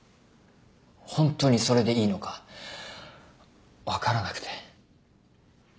ホントにそれでいいのか分からなくて。